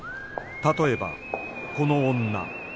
例えばこの女